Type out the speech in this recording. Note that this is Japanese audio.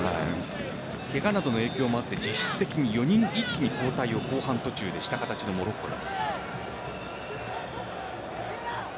ケガなどの影響もあって実質的に４人一気に交代を後半途中でした形のモロッコです。